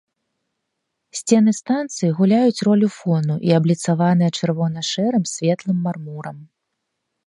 Сцены станцыі гуляюць ролю фону і абліцаваныя чырвона-шэрым светлым мармурам.